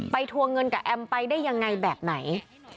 ทวงเงินกับแอมไปได้ยังไงแบบไหน